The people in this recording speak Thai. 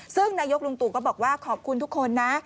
ซึ่งนายกลุงตู่ก็บอกว่าขอบคุณทุกคนนะ